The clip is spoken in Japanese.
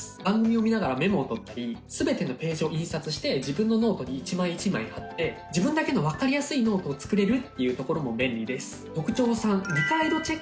番組を見ながらメモをとったり全てのページを印刷して自分のノートに一枚一枚貼って自分だけの分かりやすいノートを作れるっていうところも便利です。